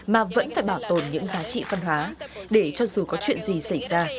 mà vẫn phải bảo tồn những giá trị văn hóa để cho dù có chuyện gì xảy ra